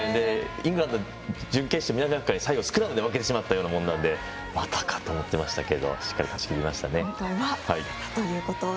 イングランド、準決勝南アフリカ、最後、スクラムで負けてしまったようなものなのでまたか！と思いましたがしっかり勝ちきりましたね。